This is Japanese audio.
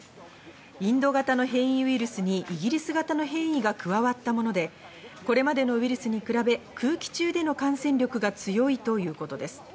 インド型の変異ウイルスにイギリス型の変異が加わったもので、これまでのウイルスに比べ空気中での感染力が強いということです。